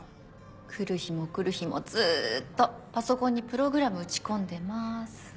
来る日も来る日もずっとパソコンにプログラム打ち込んでます。